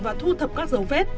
và thu thập các dấu vết